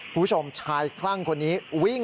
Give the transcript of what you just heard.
โทษทีโทษที